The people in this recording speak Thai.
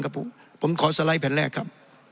ผมผมขอสไลด์แผ่นแรกครับ